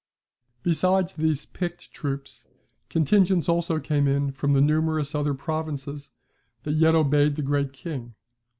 Besides these picked troops, contingents also came in from the numerous other provinces that yet obeyed the Great King.